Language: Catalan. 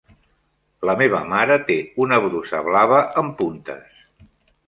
La meva mare té una brusa blava amb puntes.